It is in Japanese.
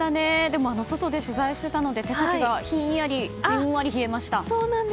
でも、外で取材していたので手先がじんわり冷えました。